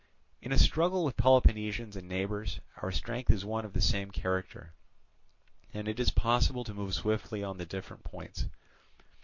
In a struggle with Peloponnesians and neighbours our strength is of the same character, and it is possible to move swiftly on the different points.